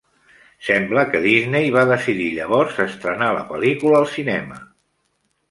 Sembla que Disney va decidir llavors estrenar la pel·lícula al cinema.